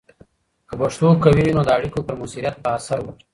که پښتو قوي وي، نو د اړیکو پر مؤثریت به اثر وکړي.